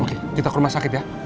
oke kita ke rumah sakit ya